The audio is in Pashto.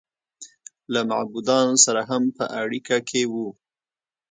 له معبودانو سره هم په اړیکه کې و